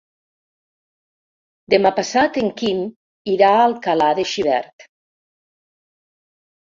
Demà passat en Quim irà a Alcalà de Xivert.